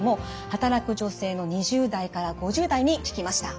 働く女性の２０代から５０代に聞きました。